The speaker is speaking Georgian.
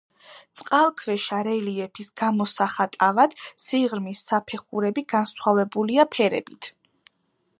წყალქვეშა რელიეფის გამოსახატავად სიღრმის საფეხურები განსხვავებულია ფერებით.